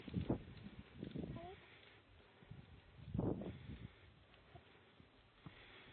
The flowers are white, four-lobed, and pollinated by bees.